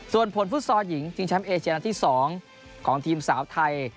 ส่วนผลฟุตซอลหญิงชิงแชมป์เอเชียนัดที่๒ของทีมสาวไทย